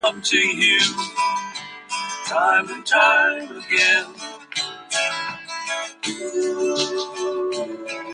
Two of Song's early roles led to recognition in the Young Artist Awards.